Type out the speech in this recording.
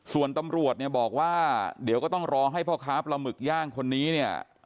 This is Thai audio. ส่วนตำรวจเนี่ยบอกว่าเดี๋ยวก็ต้องรอให้พ่อค้าปลาหมึกย่างคนนี้เนี่ย